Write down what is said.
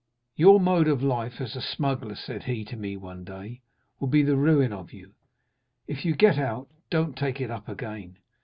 "'Your mode of life as a smuggler,' said he to me one day, 'will be the ruin of you; if you get out, don't take it up again.